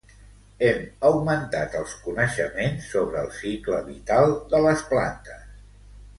Hem augmentat els coneixements sobre el cicle vital de les plantes.